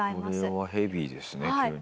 これはヘビーですね急に。